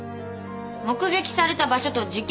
目撃された場所と事件